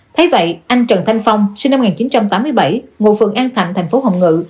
thấy vậy anh trần thanh phong sinh năm một nghìn chín trăm tám mươi bảy ngụ phường an thạnh thành phố hồng ngự